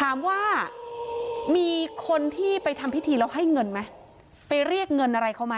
ถามว่ามีคนที่ไปทำพิธีแล้วให้เงินไหมไปเรียกเงินอะไรเขาไหม